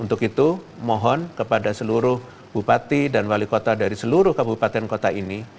untuk itu mohon kepada seluruh bupati dan wali kota dari seluruh kabupaten kota ini